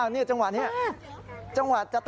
น้องเฮ้ยน้องเฮ้ย